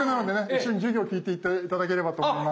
一緒に授業聞いていって頂ければと思います。